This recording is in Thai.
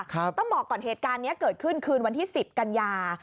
ต้องบอกก่อนเหตุการณ์นี้เกิดขึ้นคืนวันที่๑๐กันยา